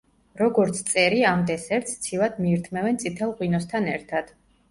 როგორც წერი ამ დესერტს, ცივად მიირთმევენ წითელ ღვინოსთან ერთად.